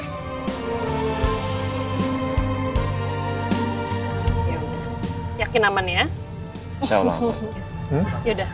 tapi malah ada